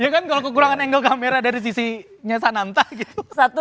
ya kan kalau kekurangan angle kamera dari sisinya sananta gitu